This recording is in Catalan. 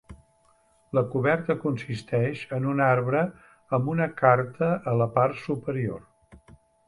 La coberta consisteix en un arbre amb una carta a la part superior.